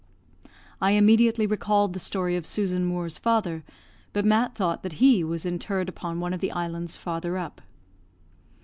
I immediately recalled the story of Susan Moore's father, but Mat thought that he was interred upon one of the islands farther up.